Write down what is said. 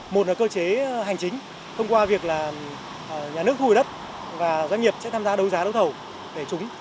một là cơ chế hành chính thông qua việc là nhà nước thu hồi đất và doanh nghiệp sẽ tham gia đấu giá đấu thầu để trúng